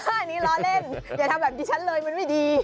อันนี้ล้อเล่นอย่าทำแบบนี้ฉันเลยมันไม่ดี